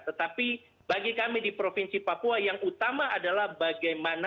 tetapi bagi kami di provinsi papua yang utama adalah bagaimana